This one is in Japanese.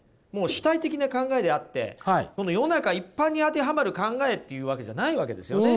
主体的な考えであって世の中一般に当てはまる考えっていうわけじゃないわけですよね。